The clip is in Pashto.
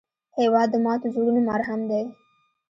هېواد د ماتو زړونو مرهم دی.